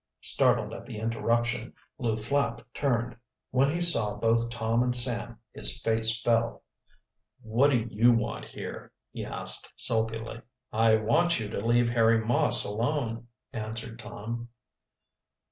Startled at the interruption Lew Flapp turned. When he saw both Tom and Sam his face fell. "What do you want here?" he asked sulkily. "I want you to leave Harry Moss alone," answered Tom.